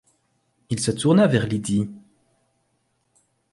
Il se tourna vers Lydie.